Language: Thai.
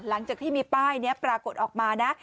หลังจากที่มีป้ายนี้ปรากฏออกมานะ